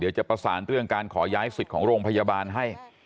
จะประสานเรื่องการขอย้ายสิทธิ์ของโรงพยาบาลให้